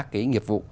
các cái nghiệp vụ